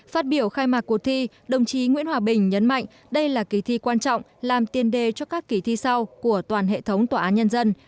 phát biểu khai mạc cuộc thi đồng chí nguyễn hòa bình nhấn mạnh đây là kỳ thi quan trọng làm tiền đề cho các kỳ thi sau của toàn hệ thống tòa án nhân dân